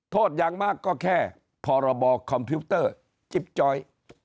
อย่างมากก็แค่พรบคอมพิวเตอร์จิ๊บจ้อย